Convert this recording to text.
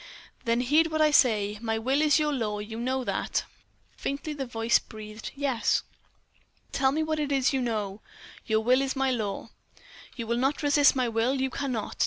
"Then heed what I say. My will is your law. You know that?" Faintly the voice breathed: "Yes." "Tell me what it is you know." "Your will is my law." "You will not resist my will, you cannot.